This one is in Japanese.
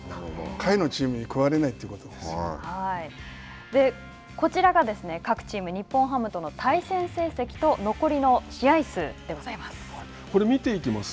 下位のチームに食われないというこちらが、各チーム、日本ハムとの対戦成績と、残りの試合数でございます。